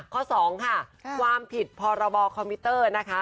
ข้อ๒ค่ะความผิดพรบคอมพิวเตอร์นะคะ